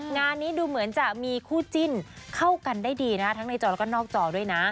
งานนี้ดูเหมือนจะมีคู่จิ้นเข้ากันได้ดีนะทั้งในจอแล้วก็นอกจอด้วยนะ